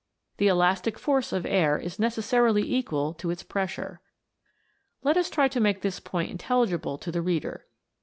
The elastic force of air is necessarily equal to its pressure. Let us try to make this point intelligible to the reader.